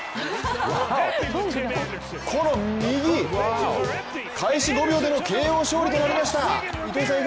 この右、開始５秒でのＫＯ勝利となりました。